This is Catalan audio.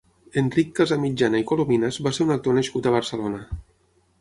Enric Casamitjana i Colominas va ser un actor nascut a Barcelona.